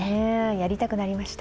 やりたくなりました。